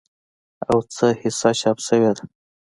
او څه حصه چاپ شوې ده